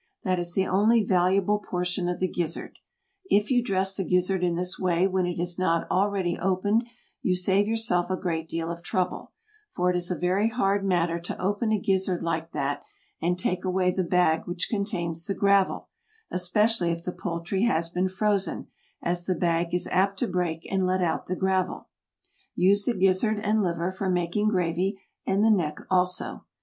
That is the only valuable portion of the gizzard; if you dress the gizzard in this way when it is not already opened you save yourself a great deal of trouble, for it is a very hard matter to open a gizzard like that and take away the bag which contains the gravel, especially if the poultry has been frozen, as the bag is apt to break and let out the gravel. Use the gizzard and liver for making gravy, and the neck also.